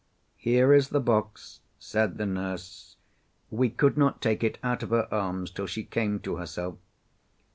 "Here is the box," said the nurse. "We could not take it out of her arms till she came to herself.